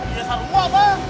iya sarungwa mbah